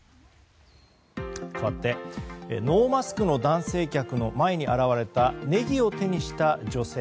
かわってノーマスクの男性客の前に現れたネギを手にした女性。